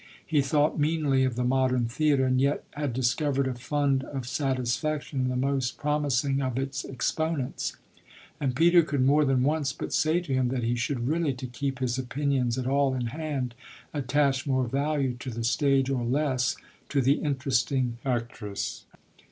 He thought meanly of the modern theatre and yet had discovered a fund of satisfaction in the most promising of its exponents; and Peter could more than once but say to him that he should really, to keep his opinions at all in hand, attach more value to the stage or less to the interesting a tress.